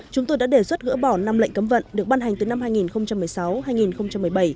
chúng tôi đã đề xuất gỡ bỏ năm lệnh cấm vận được ban hành từ năm hai nghìn một mươi sáu hai nghìn một mươi bảy